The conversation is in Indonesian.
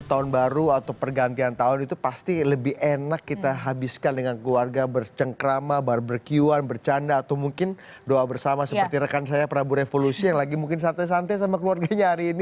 tahun baru atau pergantian tahun itu pasti lebih enak kita habiskan dengan keluarga bercengkrama barbercuan bercanda atau mungkin doa bersama seperti rekan saya prabu revolusi yang lagi mungkin santai santai sama keluarganya hari ini